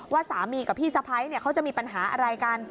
ว่าสามีกับพี่สะพ้ายเขาจะมีปัญหาอะไรกัน